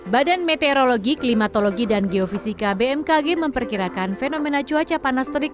badan meteorologi klimatologi dan geofisika bmkg memperkirakan fenomena cuaca panas terik